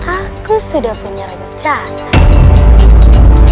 aku sudah punya rencana